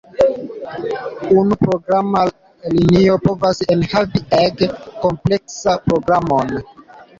Unu programa linio povas enhavi ege kompleksan programon.